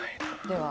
では。